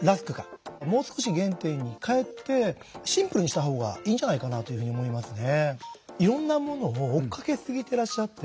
もう少し原点に返ってシンプルにしたほうがいいんじゃないかなというふうに思いますね。